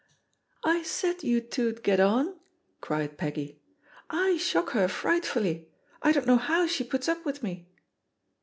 "I said you two 'd get on,'' cried Peggy. ^Z shock her frightfully. I don't know how she puts up with me."